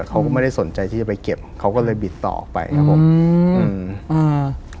เขาก็ไม่ได้สนใจที่จะไปเก็บเขาก็เลยบิดต่อออกไปครับผมอืมอืมอ่า